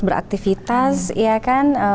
beraktivitas ya kan